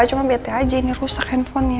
cuma bt aja ini rusak handphonenya